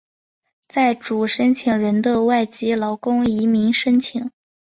在主申请人的外籍劳工移民申请。